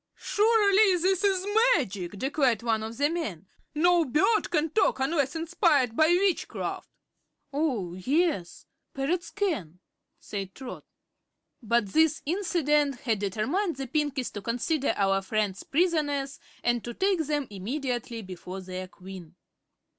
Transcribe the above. "Surely this is magic!" declared one of the men. "No bird can talk unless inspired by witchcraft." "Oh, yes; parrots can," said Trot. But this incident had determined the Pinkies to consider our friends prisoners and to take them immediately before their Queen.